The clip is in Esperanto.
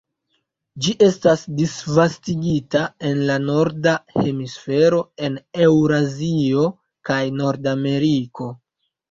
Ĝi estas disvastigita en la Norda hemisfero en Eŭrazio kaj Nordameriko.